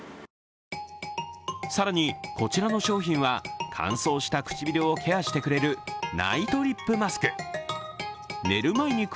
更にこちらの商品は乾燥した唇をケアしてくれるナイトリップマスク。